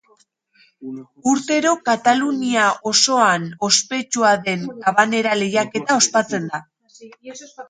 Urtero Katalunian osoa ospetsua den Habanera lehiaketa ospatzen da.